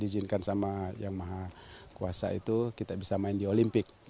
diizinkan sama yang maha kuasa itu kita bisa main di olimpik